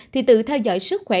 thì tự theo dõi sức khỏe